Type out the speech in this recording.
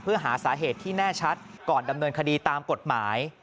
เพื่อหาสาเหตุที่แน่ชัดก่อนดำเนินคดีตามกฎหมาย